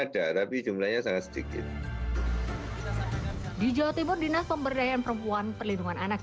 di jawa timur dinas pemberdayaan perempuan perlindungan anak